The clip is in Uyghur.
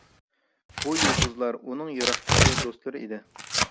بۇ يۇلتۇزلار ئۇنىڭ يىراقتىكى دوستلىرى ئىدى.